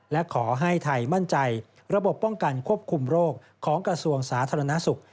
และขอให้ไทยมั่นใจระบบป้องกันควบคุมโรคของกระทรวงสาธารณสุข